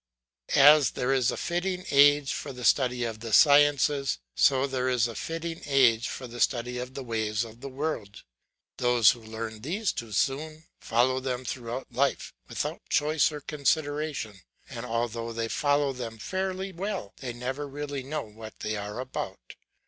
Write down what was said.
As there is a fitting age for the study of the sciences, so there is a fitting age for the study of the ways of the world. Those who learn these too soon, follow them throughout life, without choice or consideration, and although they follow them fairly well they never really know what they are about.